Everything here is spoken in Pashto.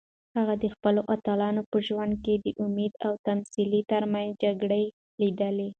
هغه د خپلو اتلانو په ژوند کې د امید او تسلیمۍ ترمنځ جګړه لیده.